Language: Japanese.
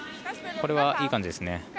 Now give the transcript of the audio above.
これはいい感じですね。